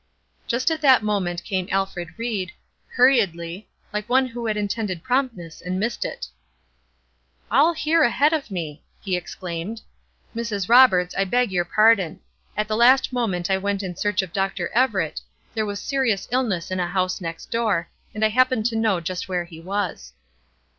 Just at that moment came Alfred Ried, hurriedly, like one who had intended promptness and missed it. "All here ahead of me!" he exclaimed, "Mrs. Roberts, I beg your pardon. At the last moment I went in search of Dr. Everett; there was serious illness in a house next door, and I happened to know just where he was."